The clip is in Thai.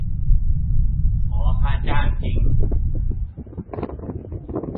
ของค่าจ้างจริง